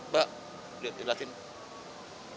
pak di belakang ini